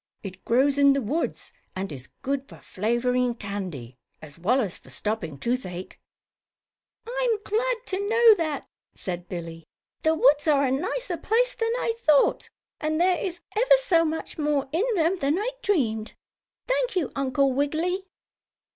"It grows in the woods, and is good for flavoring candy, as well as for stopping toothache." "I am glad to know that," said Billie. "The woods are a nicer place than I thought, and there is ever so much more in them than I dreamed. Thank you, Uncle Wiggily."